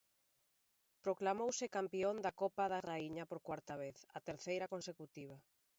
Proclamouse campión da Copa da Raíña por cuarta vez, a terceira consecutiva.